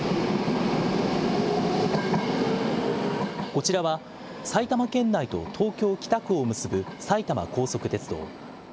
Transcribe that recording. こちらは、埼玉県内と東京・北区を結ぶ埼玉高速鉄道。